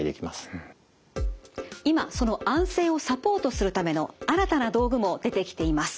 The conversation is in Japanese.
今その安静をサポートするための新たな道具も出てきています。